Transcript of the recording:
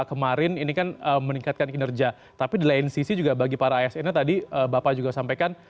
kemarin ini kan meningkatkan kinerja tapi di lain sisi juga bagi para asn nya tadi bapak juga sampaikan